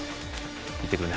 行ってくるな